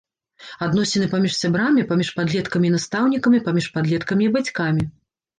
Адносіны паміж сябрамі, паміж падлеткамі і настаўнікамі, паміж падлеткамі і бацькамі.